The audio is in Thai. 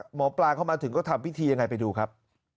หมอปลาเข้ามาถึงก็ทำพิธียังไงไปดูครับ